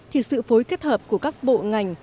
thì sự phối kết hợp của các bộ ngành